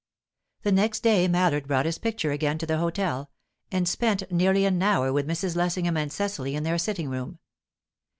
The next day Mallard brought his picture again to the hotel, and spent nearly an hour with Mrs. Lessingham and Cecily in their sitting room.